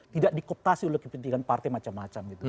tidak dikoptasi oleh kepentingan partai macam macam